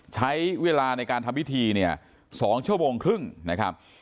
ใช้เวลาในการทำพิธีเนี่ย๒ชั่วโมงครึ่งนะครับ